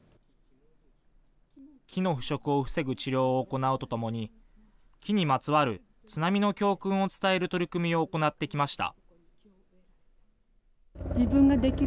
木の腐食を防ぐ治療を行うとともに木にまつわる津波の教訓を伝える取り組みを行ってきました。